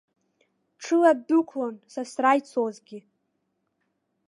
Ҽыла ддәықәлон, сасра ицозгьы.